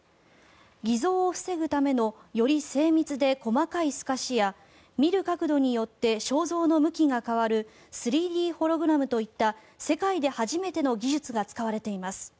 偽造を防ぐためのより精密で細かい透かしや見る角度によって肖像の向きが変わる３Ｄホログラムといった世界で初めての技術が使われています。